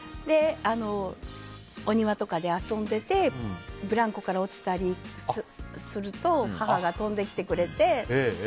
お庭とかで遊んでてブランコから落ちたりすると母が飛んできてくれて。